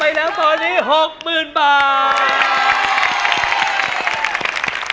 ไปแล้วตอนนี้๖๐๐๐บาท